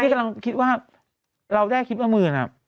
กำลังคิดว่าเราได้คลิปมาหมื่น